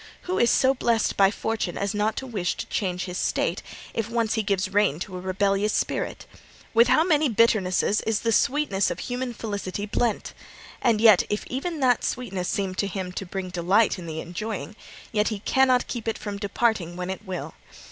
Who is so blest by Fortune as not to wish to change his state, if once he gives rein to a rebellious spirit? With how many bitternesses is the sweetness of human felicity blent! And even if that sweetness seem to him to bring delight in the enjoying, yet he cannot keep it from departing when it will.